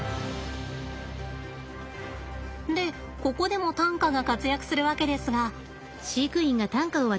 でここでも担架が活躍するわけですが。